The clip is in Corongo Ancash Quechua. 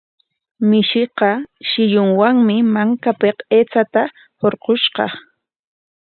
Mishiqa shillunwami makapik aychata hurqushqa.